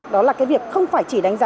đó là cái việc không phải chỉ đánh giá